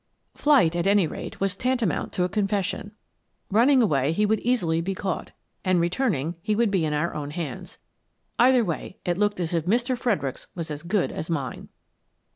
Flight, at any rate, was tantamount to a confession. Running away, he would be easily caught, and returning, he would be in our own hands. Either way, it looked as if Mr. Fredericks was as good as mine.